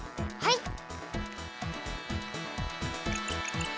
はい！